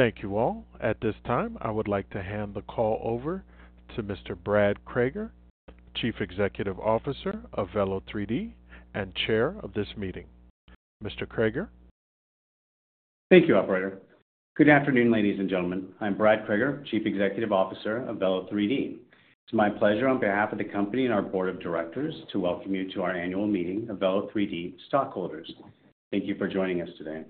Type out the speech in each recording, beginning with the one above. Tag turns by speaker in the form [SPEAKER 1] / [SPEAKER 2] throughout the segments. [SPEAKER 1] Thank you all. At this time, I would like to hand the call over to Mr. Brad Kreger, Chief Executive Officer of Velo3D and Chair of this meeting. Mr. Kreger.
[SPEAKER 2] Thank you, Operator. Good afternoon, ladies and gentlemen. I'm Brad Kreger, Chief Executive Officer of Velo3D. It's my pleasure on behalf of the company and our Board of Directors to welcome you to our annual meeting of Velo3D stockholders. Thank you for joining us today.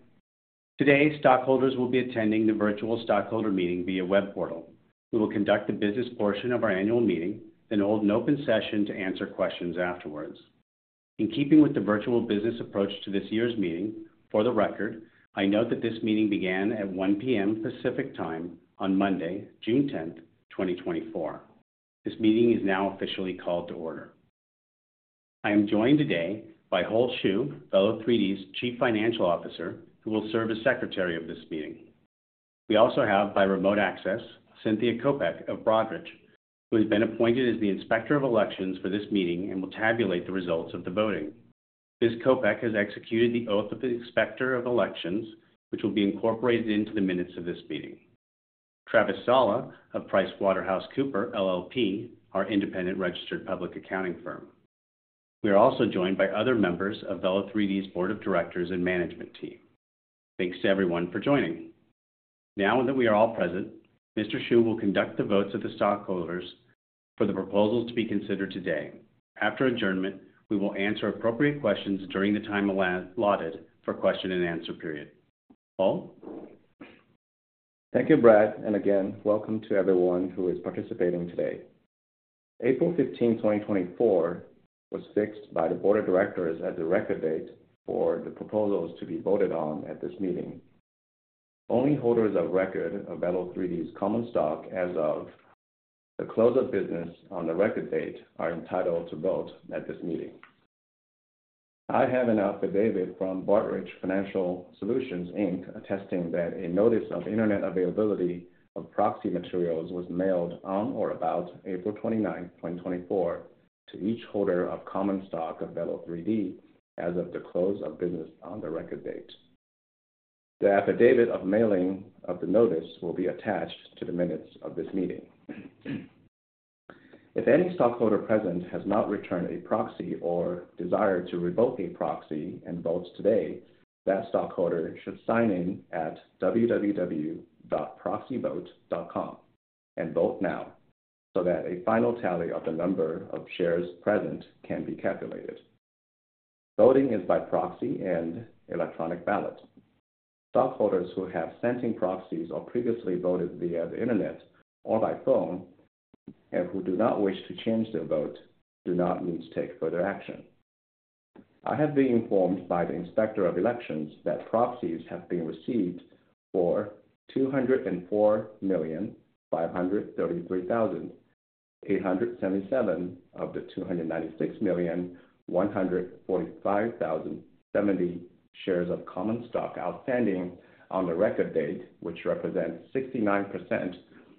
[SPEAKER 2] Today, stockholders will be attending the virtual stockholder meeting via web portal. We will conduct the business portion of our annual meeting, then hold an open session to answer questions afterwards. In keeping with the virtual business approach to this year's meeting, for the record, I note that this meeting began at 1:00 P.M. Pacific Time on Monday, June 10th, 2024. This meeting is now officially called to order. I am joined today by Hull Xu, Velo3D's Chief Financial Officer, who will serve as Secretary of this meeting. We also have, by remote access, [Cynthia Kopek] of Broadridge, who has been appointed as the Inspector of Elections for this meeting and will tabulate the results of the voting. Ms. Kopek has executed the oath of the Inspector of Elections, which will be incorporated into the minutes of this meeting. Travis Salha of PricewaterhouseCoopers LLP, our independent registered public accounting firm. We are also joined by other members of Velo3D's Board of Directors and Management Team. Thanks to everyone for joining. Now that we are all present, Mr. Xu will conduct the votes of the stockholders for the proposals to be considered today. After adjournment, we will answer appropriate questions during the time allotted for question and answer period. Hull?
[SPEAKER 3] Thank you, Brad. And again, welcome to everyone who is participating today. April 15, 2024, was fixed by the Board of Directors as the record date for the proposals to be voted on at this meeting. Only holders of record of Velo3D's common stock as of the close of business on the record date are entitled to vote at this meeting. I have an affidavit from Broadridge Financial Solutions, Inc., attesting that a notice of internet availability of proxy materials was mailed on or about April 29, 2024, to each holder of common stock of Velo3D as of the close of business on the record date. The affidavit of mailing of the notice will be attached to the minutes of this meeting. If any stockholder present has not returned a proxy or desired to revoke a proxy and votes today, that stockholder should sign in at www.proxyvote.com and vote now so that a final tally of the number of shares present can be calculated. Voting is by proxy and electronic ballot. Stockholders who have sent in proxies or previously voted via the internet or by phone and who do not wish to change their vote do not need to take further action. I have been informed by the Inspector of Elections that proxies have been received for 204,533,877 of the 296,145,070 shares of common stock outstanding on the record date, which represents 69%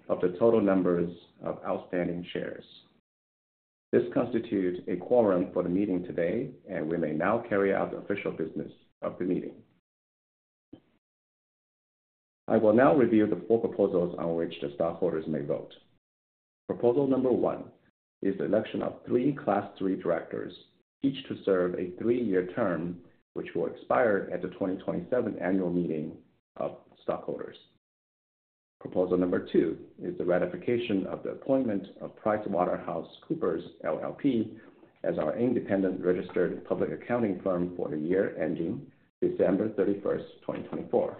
[SPEAKER 3] of the total numbers of outstanding shares. This constitutes a quorum for the meeting today, and we may now carry out the official business of the meeting. I will now review the four proposals on which the stockholders may vote. Proposal number one is the election of three Class three directors, each to serve a three-year term, which will expire at the 2027 annual meeting of stockholders. Proposal number two is the ratification of the appointment of PricewaterhouseCoopers LLP, as our independent registered public accounting firm for the year ending December 31st, 2024.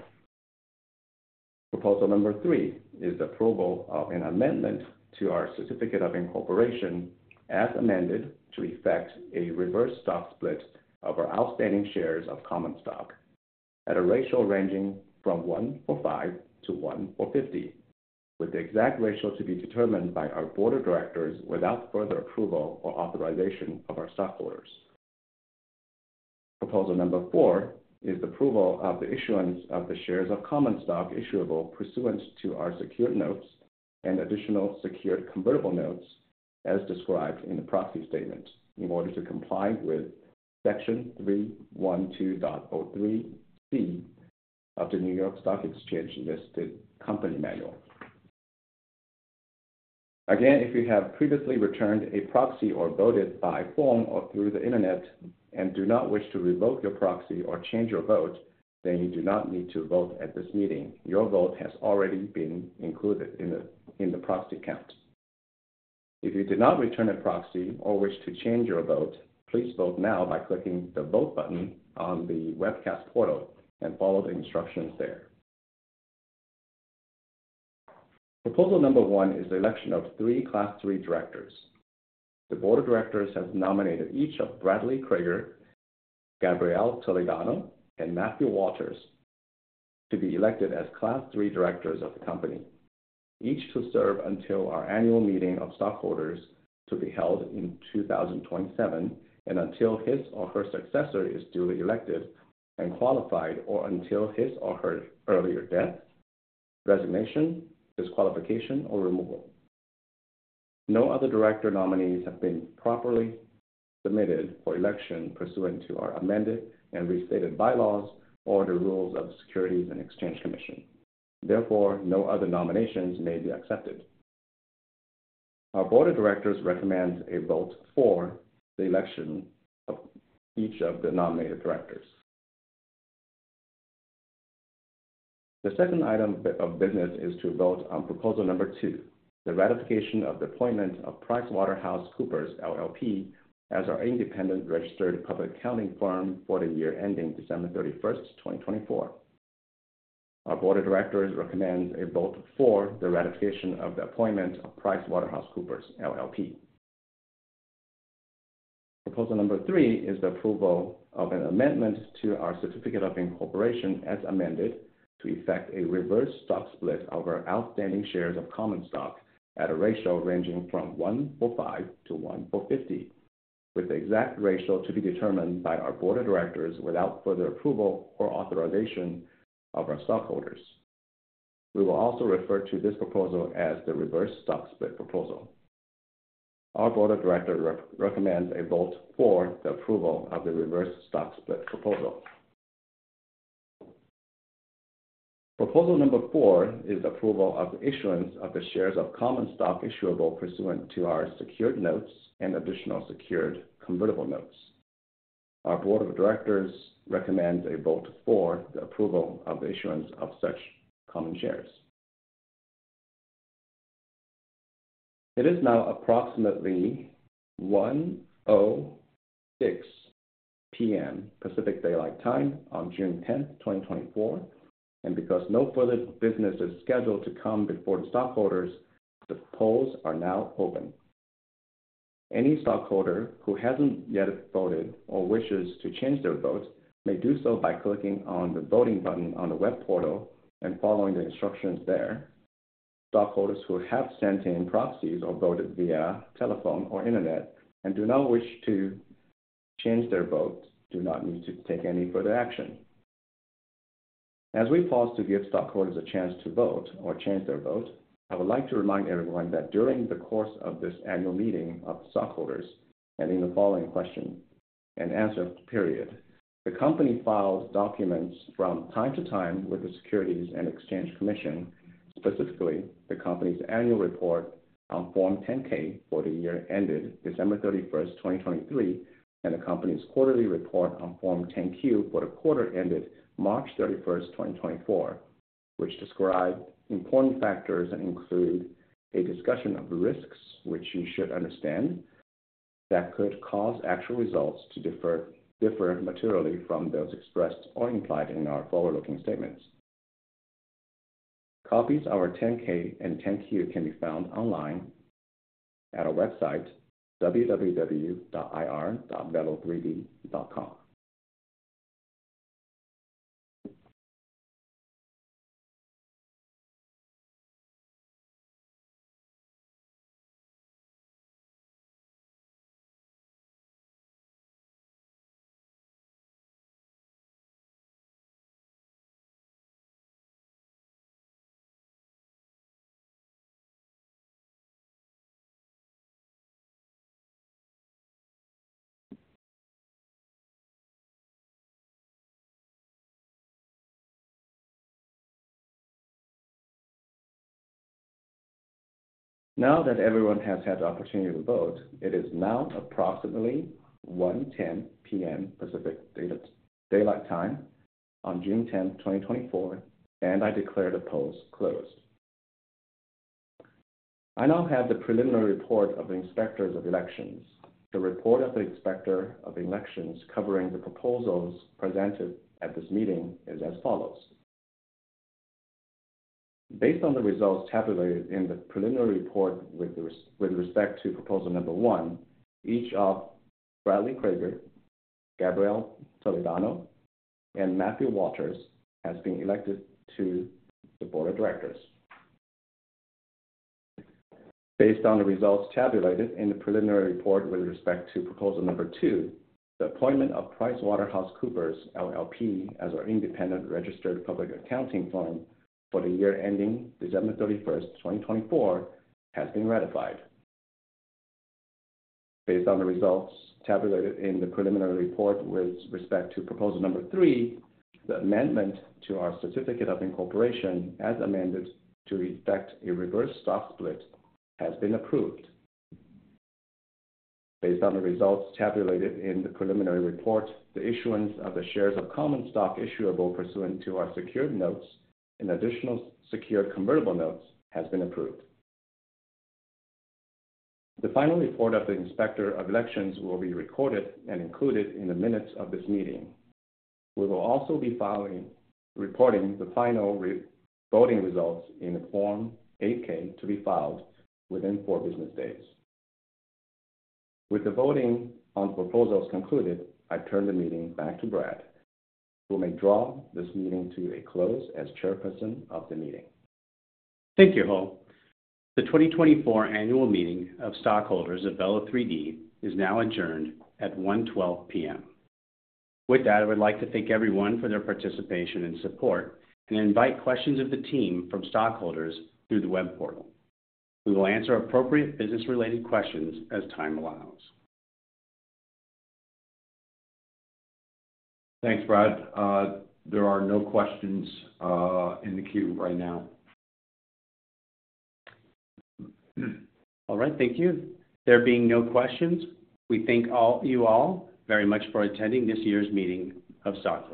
[SPEAKER 3] Proposal number three is the approval of an amendment to our certificate of incorporation as amended to effect a reverse stock split of our outstanding shares of common stock at a ratio ranging from 1-for-5 to 1-for-50, with the exact ratio to be determined by our Board of Directors without further approval or authorization of our stockholders. Proposal number four is the approval of the issuance of the shares of common stock issuable pursuant to our secured notes and additional secured convertible notes as described in the proxy statement in order to comply with Section 312.03(c) of the New York Stock Exchange Listed Company Manual. Again, if you have previously returned a proxy or voted by phone or through the internet and do not wish to revoke your proxy or change your vote, then you do not need to vote at this meeting. Your vote has already been included in the proxy count. If you did not return a proxy or wish to change your vote, please vote now by clicking the vote button on the webcast portal and follow the instructions there. Proposal number one is the election of three Class three directors. The Board of Directors has nominated each of Bradley Kreger, Gabrielle Toledano, and Matthew Walters to be elected as Class three directors of the company, each to serve until our annual meeting of stockholders to be held in 2027 and until his or her successor is duly elected and qualified or until his or her earlier death, resignation, disqualification, or removal. No other director nominees have been properly submitted for election pursuant to our amended and restated bylaws or the rules of the Securities and Exchange Commission. Therefore, no other nominations may be accepted. Our Board of Directors recommends a vote for the election of each of the nominated directors. The second item of business is to vote on proposal number two, the ratification of the appointment of PricewaterhouseCoopers LLP, as our independent registered public accounting firm for the year ending December 31st, 2024. Our Board of Directors recommends a vote for the ratification of the appointment of PricewaterhouseCoopers LLP. Proposal number three is the approval of an amendment to our certificate of incorporation as amended to effect a reverse stock split of our outstanding shares of common stock at a ratio ranging from 1-for-5 to 1-for-50, with the exact ratio to be determined by our Board of Directors without further approval or authorization of our stockholders. We will also refer to this proposal as the reverse stock split proposal. Our Board of Directors recommends a vote for the approval of the reverse stock split proposal. Proposal number four is the approval of the issuance of the shares of common stock issuable pursuant to our secured notes and additional secured convertible notes. Our Board of Directors recommends a vote for the approval of the issuance of such common shares. It is now approximately 1:06 P.M. Pacific Daylight Time on June 10th, 2024, and because no further business is scheduled to come before the stockholders, the polls are now open. Any stockholder who hasn't yet voted or wishes to change their vote may do so by clicking on the voting button on the web portal and following the instructions there. Stockholders who have sent in proxies or voted via telephone or internet and do not wish to change their vote do not need to take any further action. As we pause to give stockholders a chance to vote or change their vote, I would like to remind everyone that during the course of this annual meeting of stockholders and in the following question and answer period, the company files documents from time to time with the Securities and Exchange Commission, specifically the company's annual report on Form 10-K for the year ended December 31st, 2023, and the company's quarterly report on Form 10-Q for the quarter ended March 31st, 2024, which describe important factors that include a discussion of risks which you should understand that could cause actual results to differ materially from those expressed or implied in our forward-looking statements. Copies of our 10-K and 10-Q can be found online at our website, www.ir.velo3d.com. Now that everyone has had the opportunity to vote, it is now approximately 1:10 P.M. Pacific Daylight Time on June 10th, 2024, and I declare the polls closed. I now have the preliminary report of the Inspectors of Elections. The report of the Inspector of Elections covering the proposals presented at this meeting is as follows. Based on the results tabulated in the preliminary report with respect to proposal number one, each of Bradley Kreger, Gabrielle Toledano, and Matthew Walters has been elected to the Board of Directors. Based on the results tabulated in the preliminary report with respect to proposal number two, the appointment of PricewaterhouseCoopers LLP, as our independent registered public accounting firm for the year ending December 31st, 2024, has been ratified. Based on the results tabulated in the preliminary report with respect to proposal number three, the amendment to our certificate of incorporation as amended to effect a reverse stock split has been approved. Based on the results tabulated in the preliminary report, the issuance of the shares of common stock issuable pursuant to our secured notes and additional secured convertible notes has been approved. The final report of the Inspector of Elections will be recorded and included in the minutes of this meeting. We will also be reporting the final voting results in the Form 8-K to be filed within four business days. With the voting on proposals concluded, I turn the meeting back to Brad, who may draw this meeting to a close as Chairperson of the meeting.
[SPEAKER 2] Thank you, Hull. The 2024 annual meeting of stockholders of Velo3D is now adjourned at 1:12 P.M. With that, I would like to thank everyone for their participation and support and invite questions of the team from stockholders through the web portal. We will answer appropriate business-related questions as time allows.
[SPEAKER 4] Thanks, Brad. There are no questions in the queue right now.
[SPEAKER 2] All right. Thank you. There being no questions, we thank you all very much for attending this year's meeting of stock.